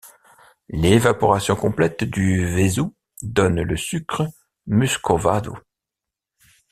L'évaporation complète du vesou donne le sucre muscovado.